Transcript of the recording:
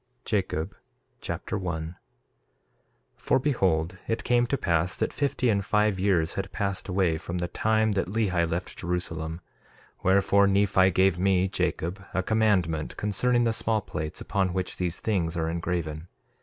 Jacob Chapter 1 1:1 For behold, it came to pass that fifty and five years had passed away from the time that Lehi left Jerusalem; wherefore, Nephi gave me, Jacob, a commandment concerning the small plates, upon which these things are engraven.